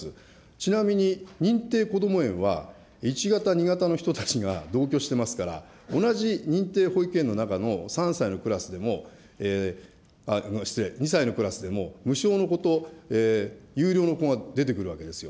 ちなみに認定こども園は、１型、２型の人たちが入居してますから、同じ認定こども園の中の３歳のクラスでも、失礼、２歳のクラスでも無償の子と有料の子が出てくるわけですよ。